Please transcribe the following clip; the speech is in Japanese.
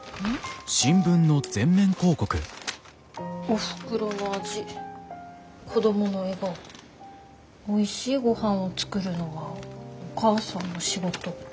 「おふくろの味子どもの笑顔おいしいごはんを作るのはお母さんの仕事」。